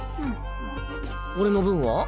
俺の分は？